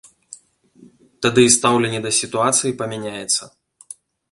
Тады і стаўленне да сітуацыі памяняецца.